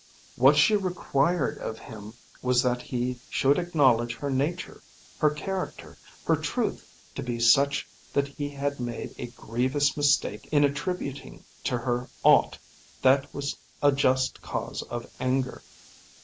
What she required of him was that he should acknowledge her nature, her character, her truth to be such that he had made a grievous mistake in attributing to her aught that was a just cause of anger.